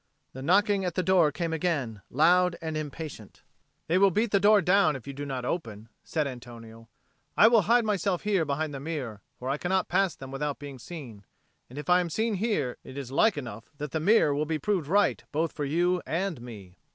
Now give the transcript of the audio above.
The knocking at the door came again, loud and impatient. "They will beat the door down if you do not open," said Antonio. "I will hide myself here behind the mirror; for I cannot pass them without being seen; and if I am seen here, it is like enough that the mirror will be proved right both for you and me."